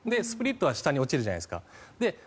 スプリットは落ちるじゃないですか。